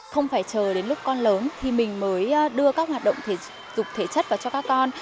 không phải chờ đến lúc con lớn thì mình mới đưa các hoạt động thể dục thể chất vào cho các con